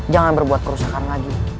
jangan membuat perusakan lagi